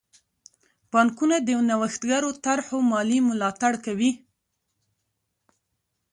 بانکونه د نوښتګرو طرحو مالي ملاتړ کوي.